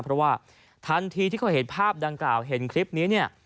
เพราะว่าทันทีที่เขาเห็นภาพดังกล่าวเห็นคลิปนี้เนี่ย